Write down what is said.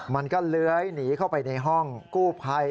มันก็เลื้อยหนีเข้าไปในห้องกู้ภัย